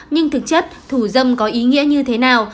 nhưng thực chất thủ dâm có ý nghĩa như thế nào